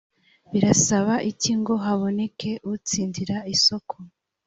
birasaba iki ngo haboneke utsindira isoko